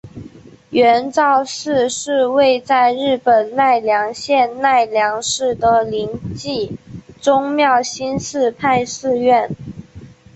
圆照寺是位在日本奈良县奈良市的临济宗妙心寺派寺院。